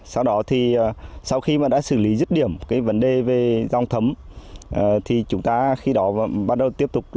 sau đó thì sau khi mà đã xử lý rứt điểm cái vấn đề về dòng thấm thì chúng ta khi đó bắt đầu tiếp tục